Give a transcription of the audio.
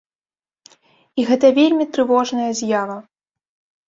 І гэта вельмі трывожная з'ява.